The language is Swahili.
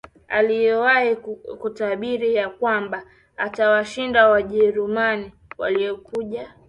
Aliyewahi kutabiri ya kwamba atawashinda Wajerumani waliokuja